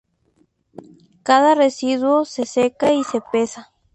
Cada residuo se seca y se pesa.